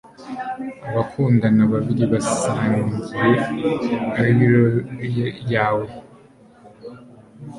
abakundana babiri basangiye aureole yawe